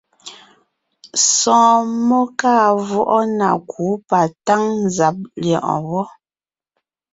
Sɔ̀ɔn mmó kàa vwɔʼɔ na kǔ patáŋ nzàb lyɛ̌ʼɔɔn wɔ́.